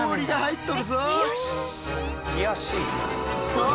そう！